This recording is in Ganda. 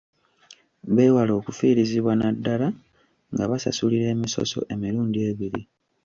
Beewale okufiirizibwa naddala nga basasulira emisoso emirundi ebiri.